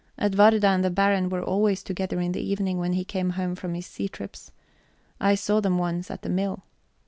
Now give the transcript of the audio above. Edwarda and the Baron were always together in the evening when he came home from his sea trips. I saw them once at the mill.